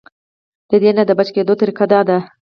د دې نه د بچ کېدو طريقه دا ده -